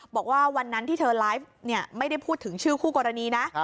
บอกว่าวันนั้นที่เธอไลฟ์ไม่ได้พูดถึงชื่อคู่กรณีนะ